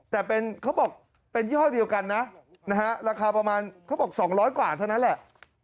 แต่เขาบอกเป็นยี่ห้อเดียวกันนะนะฮะราคาประมาณเขาบอก๒๐๐กว่าเท่านั้นแหละ